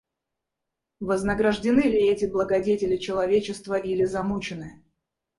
Вознаграждены ли эти благодетели человечества или замучены?